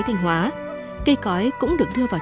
thanh hóa cây cói cũng được đưa vào